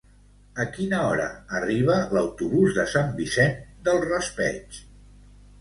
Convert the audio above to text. A quina hora arriba l'autobús de Sant Vicent del Raspeig?